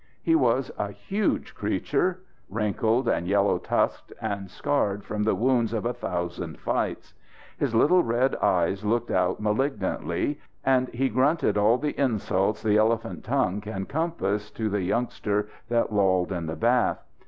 He was a huge creature wrinkled and yellow tusked and scarred from the wounds of a thousand fights. His little red eyes looked out malignantly, and he grunted all the insults the elephant tongue can compass to the youngster that lolled in the bath.